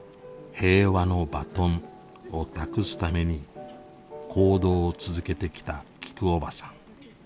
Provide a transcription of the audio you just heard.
平和のバトンを託すために行動を続けてきたきくおばさん。